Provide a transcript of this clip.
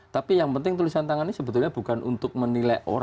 tapi yang penting tulisan tangan ini sebetulnya bukan untuk menilai orang